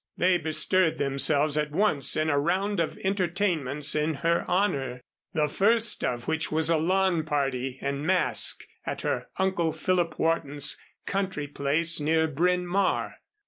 They bestirred themselves at once in a round of entertainments in her honor, the first of which was a lawn party and masque at her uncle Philip Wharton's country place, near Bryn Mawr.